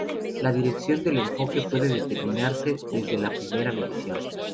La dirección del enfoque puede determinarse desde la primera medición.